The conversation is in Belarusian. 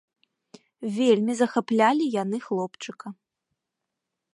Вельмі захаплялі яны хлопчыка.